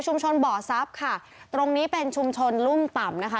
ชุมชนบ่อซับค่ะตรงนี้เป็นชุมชนลุ่มต่ำนะคะ